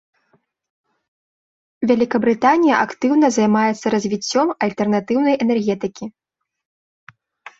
Вялікабрытанія актыўна займаецца развіццём альтэрнатыўнай энергетыкі.